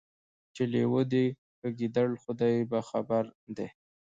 چي لېوه دی که ګیدړ خدای په خبر دی